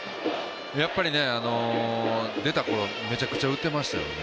やっぱりね、出たころめちゃくちゃ打っていましたよね。